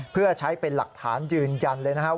เพื่อใช้เป็นหลักฐานยืนยันเลยนะครับ